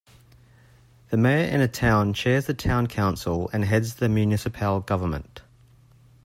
The mayor in a town chairs the town council and heads the municipal government.